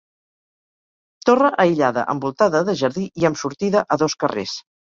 Torre aïllada envoltada de jardí i amb sortida a dos carrers.